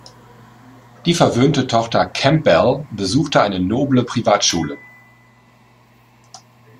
Die verwöhnte Tochter Campbell besucht eine noble Privatschule.